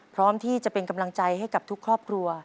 พร้อมที่จะเป็นกำลังใจให้กับทุกครอบครัว